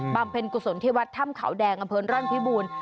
เพ็ญกุศลที่วัดถ้ำเขาแดงอำเภอร่อนพิบูรณ์